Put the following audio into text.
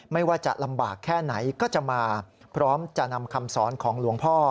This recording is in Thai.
ไม่ว่าจะลำบากแค่ไหนก็จะมาพร้อมจะนำคำสอนของหลวงพ่อ